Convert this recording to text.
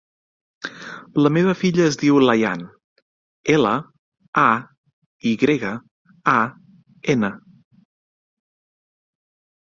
La meva filla es diu Layan: ela, a, i grega, a, ena.